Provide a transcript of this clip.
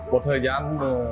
một thời gian